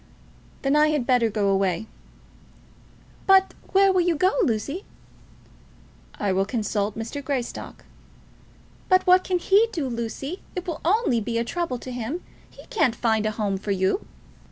"Then I had better go away." "But where will you go, Lucy?" "I will consult Mr. Greystock." "But what can he do, Lucy? It will only be a trouble to him. He can't find a home for you."